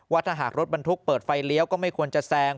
ถ้าหากรถบรรทุกเปิดไฟเลี้ยวก็ไม่ควรจะแซง